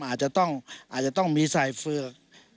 อาจจะต้องมีสายเฟือก